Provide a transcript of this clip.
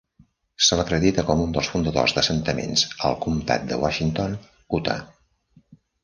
Se l'acredita com un dels fundadors d'assentaments al comtat de Washington, Utah.